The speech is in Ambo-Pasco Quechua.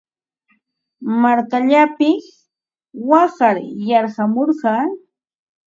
Markallaapiq waqar yarqamurqaa.